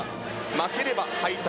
負ければ敗退。